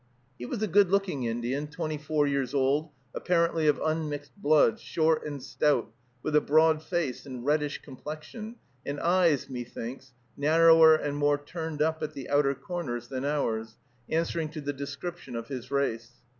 He was a good looking Indian, twenty four years old, apparently of unmixed blood, short and stout, with a broad face and reddish complexion, and eyes, methinks, narrower and more turned up at the outer corners than ours, answering to the description of his race.